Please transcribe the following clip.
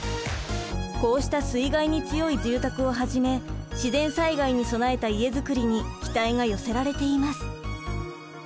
こうした水害に強い住宅をはじめ自然災害に備えた家づくりに期待が寄せられています。